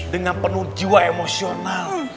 dengan penuh jiwa emosional